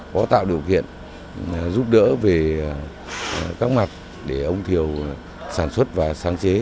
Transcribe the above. có tạo điều kiện giúp đỡ về các mặt để ông thiều sản xuất và sáng chế